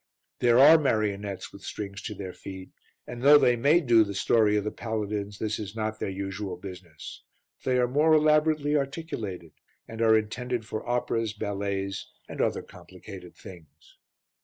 There are marionettes with strings to their feet, and though they may do The Story of the Paladins, this is not their usual business, they are more elaborately articulated, and are intended for operas, ballets and other complicated things.